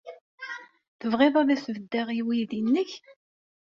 Tebɣiḍ ad as-beddeɣ i weydi-nnek?